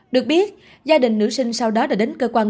được biết gia đình nữ sinh sau đó đã đến cơ quan